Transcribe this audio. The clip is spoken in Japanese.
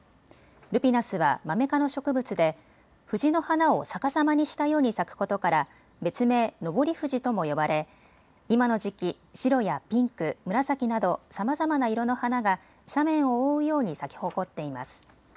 ルピナスはマメ科の植物で藤の花を逆さまにしたように咲くことから別名、昇り藤とも呼ばれ今の時期、白やピンク、紫などさまざまな色の花が斜面を覆うように咲き誇っています。